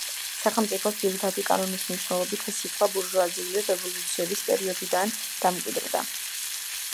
სახელმწიფოს ძირითადი კანონის მნიშვნელობით ეს სიტყვა ბურჟუაზიული რევოლუციების პერიოდიდან დამკვიდრდა.